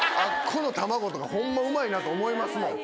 この卵とかホンマうまいなと思いますもん。